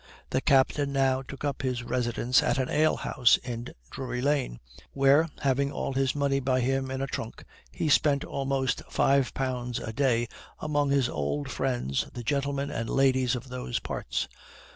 The captain now took up his residence at an ale house in Drury lane, where, having all his money by him in a trunk, he spent about five pounds a day among his old friends the gentlemen and ladies of those parts.